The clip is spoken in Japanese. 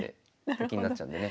と金なっちゃうんでね。